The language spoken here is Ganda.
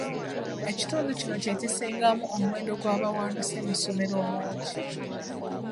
Ekitundu kino kye kisingamu omuwendo gw'abawanduse mu ssomero omungi.